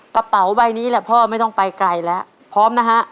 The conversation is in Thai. กระเป๋าใบนี้แหละพ่อไม่ต้องไปไกลแล้วพร้อมนะฮะ